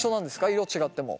色違っても。